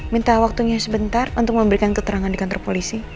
minta waktunya sebentar untuk memberikan keterangan di kantor polisi